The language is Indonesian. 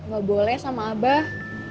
gak boleh sama abah